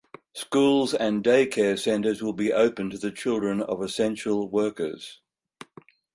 Schools and daycare centers will be open to the children of essential workers.